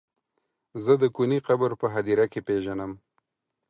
زه د کوني قبر په هديره کې پيژنم.